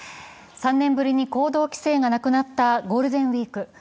３年ぶりに行動規制がなくなったゴールデンウイーク。